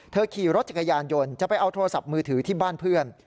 ขี่รถจักรยานยนต์จะไปเอาโทรศัพท์มือถือที่บ้านเพื่อน